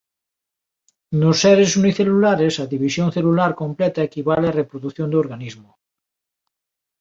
Nos seres unicelulares a división celular completa equivale á reprodución do organismo.